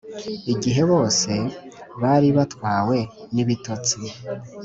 igihe bose bari batwawe n’ibitotsi,